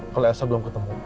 kalau elsa belum ketemu